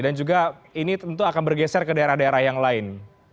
dan juga ini tentu akan bergeser ke daerah daerah yang lain